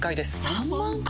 ３万回⁉